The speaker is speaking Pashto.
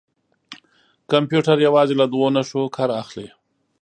کمپیوټر یوازې له دوه نښو کار اخلي.